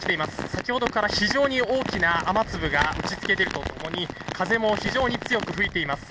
先ほどから非常に大きな雨粒が打ち付けていると共に風も非常に強く吹いています。